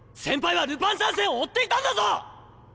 先輩はルパン三世を追っていたんだぞ！